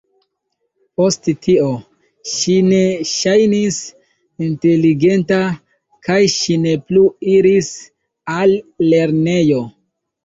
Post tio, ŝi ne ŝajnis inteligenta kaj ŝi ne plu iris al lernejo.